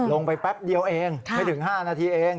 ลงไปแป๊บเดียวเองไปถึง๕นาทีเอง